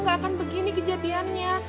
gak akan begini kejadiannya